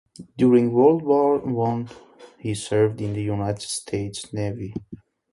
During World War One, he served in the United States Navy.